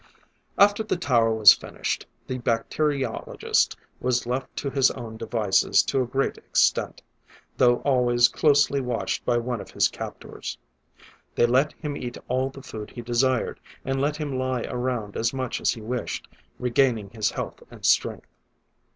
After the tower was finished, the bacteriologist was left to his own devices to a great extent, though always closely watched by one of his captors. They let him eat all the food he desired, and let him lie around as much as he wished, regaining his health and strength.